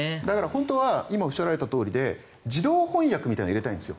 本当は今おっしゃったとおりで自動翻訳みたいなのを入れたいんです。